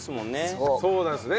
そうなんですよね。